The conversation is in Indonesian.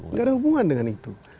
nggak ada hubungan dengan itu